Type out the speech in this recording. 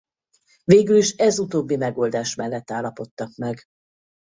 Végül is ez utóbbi megoldás mellett állapodtak meg.